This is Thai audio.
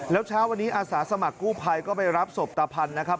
แล้วเช้าวันนี้อาสาสมัครกู้ภัยก็ไปรับศพตาพันธ์นะครับ